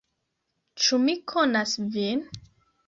Ĉu mi konas vin?